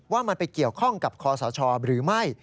ว่ามันไปเกี่ยวข้องกับคอสชหรือไม่